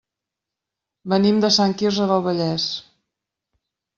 Venim de Sant Quirze del Vallès.